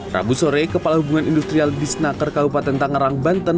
rabu sore kepala hubungan industrial disnaker kabupaten tangerang banten